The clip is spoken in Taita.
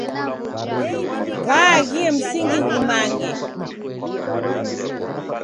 W'aaghie msingi ghumange.